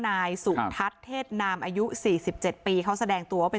นายสุทัศน์เทศนามอายุ๔๗ปีเขาแสดงตัวว่าเป็น